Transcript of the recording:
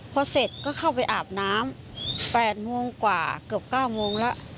พอเสร็จก็เข้าไปอาบน้ำ๘โมงกว่าเกือบ๙โมงแล้ว